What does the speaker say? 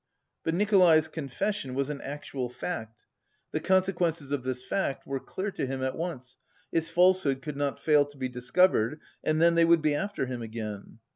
But Nikolay's confession was an actual fact. The consequences of this fact were clear to him at once, its falsehood could not fail to be discovered, and then they would be after him again.